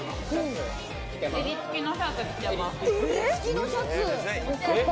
襟付きのシャツ着てます。